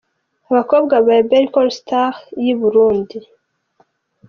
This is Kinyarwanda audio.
Abakobwa ba Berco Stars y'i Burundi.